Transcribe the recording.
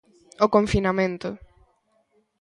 O confinamento.